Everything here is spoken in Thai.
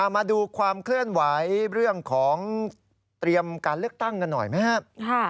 มาดูความเคลื่อนไหวเรื่องของเตรียมการเลือกตั้งกันหน่อยไหมครับ